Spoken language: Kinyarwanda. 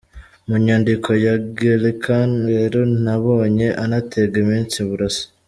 Mu nyandiko ya Gallican rero nabonye anatega iminsi Burasa.